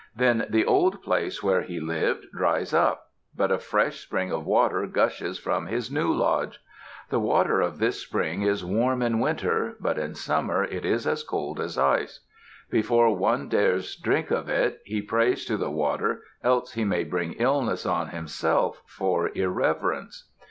Then the old place where he lived dries up; but a fresh spring of water gushes from his new lodge. The water of this spring is warm in winter; but in summer it is as cold as ice. Before one dares drink of it, he prays to the water, else he may bring illness on himself for irreverence.